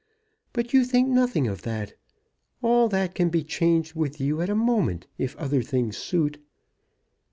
But you think nothing of that! All that can be changed with you at a moment, if other things suit."